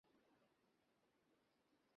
এখন তিন মাস অন্তত চুপ করে থাক।